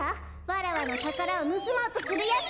わらわのたからをぬすもうとするやつは！